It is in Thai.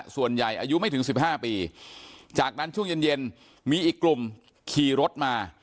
ส่วนใหญ่อายุไม่ถึงสิบห้าปีจากนั้นช่วงเย็นเย็นมีอีกกลุ่มขี่รถมา